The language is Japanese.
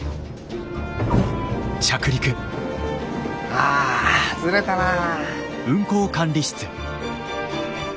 ああずれたなぁ。